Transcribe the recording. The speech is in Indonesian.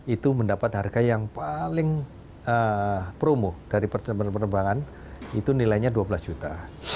itu mendapat harga yang paling promo dari penerbangan itu nilainya dua belas juta